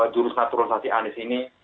jurus naturalisasi anis ini